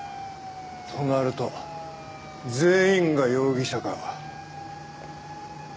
となると全員が容疑者か。